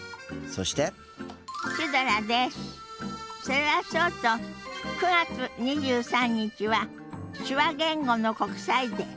それはそうと９月２３日は手話言語の国際デー。